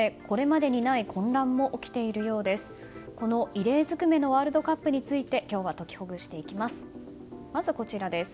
この異例ずくめのワールドカップについて今日は解きほぐしていきます。